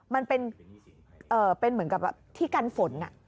มันเป็นเหมือนกับที่กันฝน